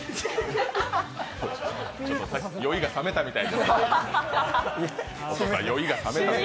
酔いがさめたみたい。